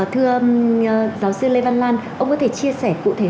thưa giáo sư lê văn lan ông có thể chia sẻ cụ thể